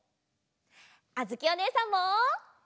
あづきおねえさんも。